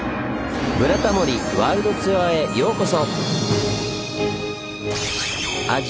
「ブラタモリワールドツアー」へようこそ！